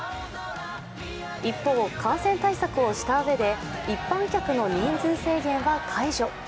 一方、感染対策をしたうえで一般客の人数制限は解除。